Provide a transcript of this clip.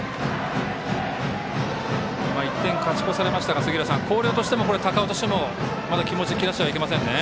１点勝ち越されましたが広陵としては高尾としてもまだ気持ち切らせてはだめですね。